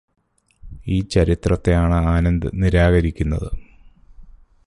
ഈ ചരിത്രത്തെയാണു ആനന്ദ് നിരാകരിക്കുന്നത്.